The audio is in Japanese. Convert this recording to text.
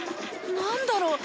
何だろう？